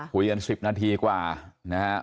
คุยกัน๑๐นาทีกว่านะฮะ